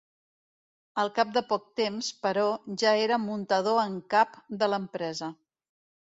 Al cap de poc temps, però, ja era muntador en cap de l’empresa.